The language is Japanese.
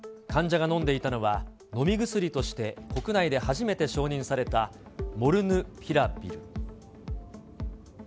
患者が飲んでいたのは飲み薬として国内で初めて承認されたモルヌピラビル。